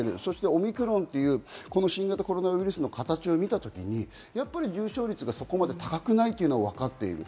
オミクロンという新型コロナウイルスの形を見たときに重症率がそこまで高くないのはわかっている。